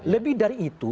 lebih dari itu